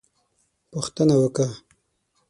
_پوښتنه وکه!